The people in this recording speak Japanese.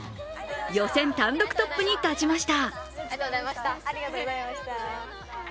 予選単独トップに立ちました。